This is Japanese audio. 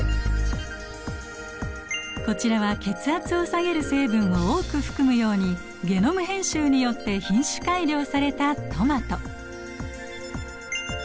こちらは血圧を下げる成分を多く含むようにゲノム編集によって品種改良されたトマト。